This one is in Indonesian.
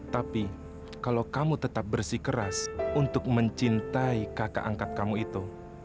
tapi kalau kamu tetap bersih keras untuk mencintai kakak angkat kamu itu